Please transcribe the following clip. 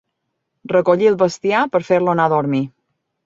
Recollir el bestiar per fer-lo anar a dormir.